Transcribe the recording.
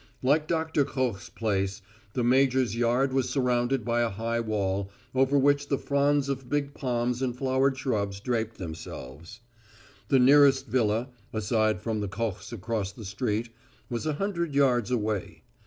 Like Doctor Koch's place, the major's yard was surrounded by a high wall, over which the fronds of big palms and flowered shrubs draped themselves. The nearest villa, aside from the Kochs' across the street, was a hundred yards away.